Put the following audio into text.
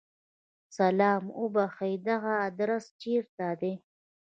سلام! اوبښئ! دغه ادرس چیرته دی؟